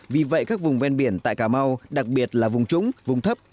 vì vậy các vùng ven biển tại cà mau đặc biệt là vùng trũng vùng thấp